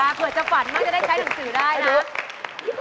เผื่อจะฝันว่าจะได้ใช้หนังสือได้นะ